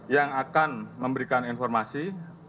yang akan memberikan informasi